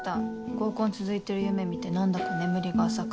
合コン続いてる夢見て何だか眠りが浅くて。